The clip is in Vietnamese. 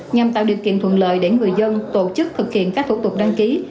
nhằm tạo điều kiện thuận lợi để người dân tổ chức thực hiện các thủ tục đăng ký